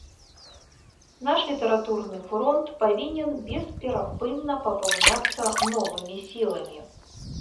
Наш літаратурны фронт павінен бесперапынна папаўняцца новымі сіламі.